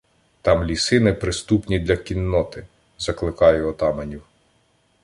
Там ліси неприступні для кінноти, — закликаю отаманів.